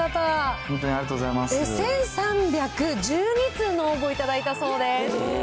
１３１２通のご応募いただいたそうです。